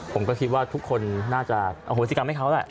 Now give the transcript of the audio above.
ผมก็คิดว่าทุกคนน่าจะอโหสิกรรมให้เขาแหละ